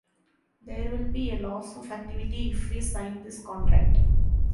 There will be a loss of activity if we sign this contract.